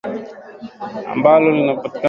ambalo linapatikana leo katika madhehebu mengi